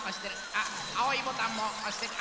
あっあおいボタンもおしてる。